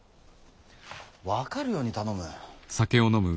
分かるように頼む。